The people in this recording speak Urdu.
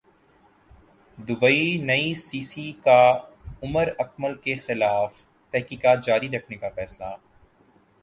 دبئی ئی سی سی کا عمراکمل کیخلاف تحقیقات جاری رکھنے کا فیصلہ